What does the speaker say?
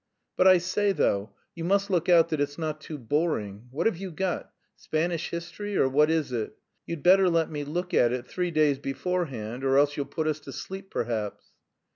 But, I say though, you must look out that it's not too boring. What have you got? Spanish history, or what is it? You'd better let me look at it three days beforehand, or else you'll put us to sleep perhaps."